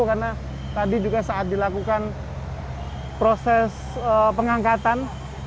karena tadi juga saat dilakukan proses pengangkatan